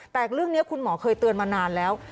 แต่เรื่องนี้คุณหมอเคยเตือนมานานแล้ว